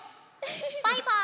バイバーイ！